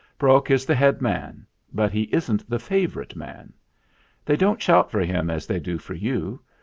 Brok is the head man, but he isn't the favourite man. They don't shout for him as they do for you.